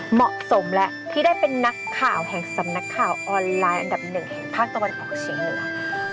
เหมาะสมแล้วที่ได้เป็นนักข่าวแห่งสำนักข่าวออนไลน์อันดับหนึ่งแห่งภาคตะวันออกเฉียงเหนือ